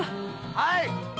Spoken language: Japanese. はい！